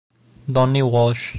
Donnie Walsh